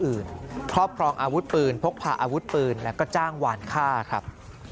อื่นครอบพรองอาวุธปืนพกผ่าอาวุธปืนและก็จ้างหวานค่าครับ